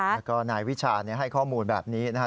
แล้วก็นายวิชาให้ข้อมูลแบบนี้นะครับ